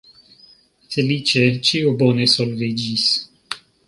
Feliĉe ĉio bone solviĝis.